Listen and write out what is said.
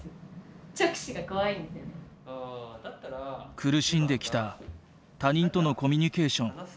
苦しんできた他人とのコミュニケーション。